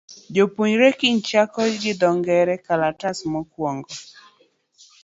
Jopuonjre kiny chako gi dho ngere kalatas mokwongo.